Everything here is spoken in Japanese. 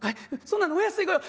そんなのお安い御用。